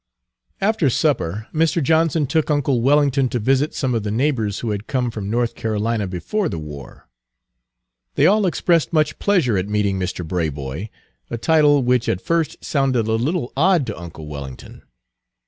After supper Mr. Johnson took uncle Wellington to visit some of the neighbors who had come from North Carolina before the war. They all expressed much pleasure at meeting "Mr. Braboy," a title which at first sounded a little odd to uncle Wellington.